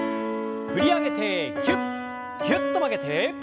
振り上げてぎゅっぎゅっと曲げて。